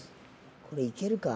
これ、いけるか？